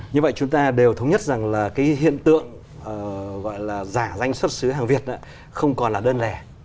như vậy chúng ta đều thống nhất rằng là cái hiện tượng gọi là giả danh xuất xứ hàng việt không còn là đơn lẻ